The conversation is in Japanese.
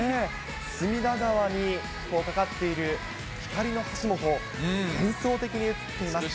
隅田川に架かっている、光の橋も幻想的に映っています。